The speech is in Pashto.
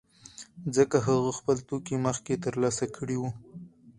ځکه هغه خپل توکي مخکې ترلاسه کړي وو